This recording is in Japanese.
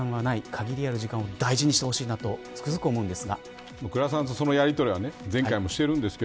限りある時間を大事にしてほしいなとつくづく思いますが。